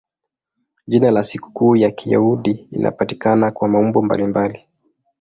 Jina la sikukuu ya Kiyahudi linapatikana kwa maumbo mbalimbali.